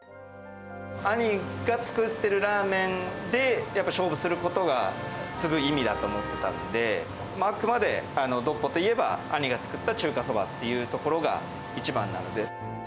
兄が作ってるラーメンで、やっぱ勝負することが継ぐ意味だと思ってたんで、あくまで独歩といえば、兄が作った中華そばっていうところが一番なので。